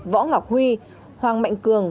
võ ngọc huy hoàng mạnh cường